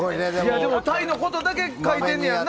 でもタイのことだけ書いてんねんな。